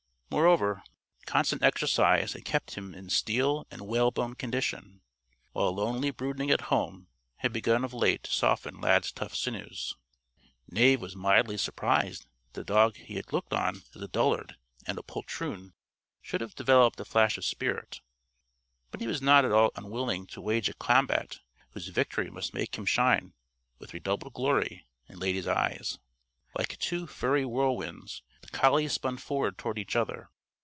Moreover, constant exercise had kept him in steel and whale bone condition; while lonely brooding at home had begun of late to soften Lad's tough sinews. Knave was mildly surprised that the dog he had looked on as a dullard and a poltroon should have developed a flash of spirit. But he was not at all unwilling to wage a combat whose victory must make him shine with redoubled glory in Lady's eyes. Like two furry whirlwinds the collies spun forward toward each other.